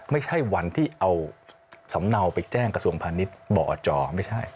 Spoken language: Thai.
ไม่ใช่วันที่เอาสำเนาไปแจ้งกระทรวงพาณิชย์บ่อจไม่ใช่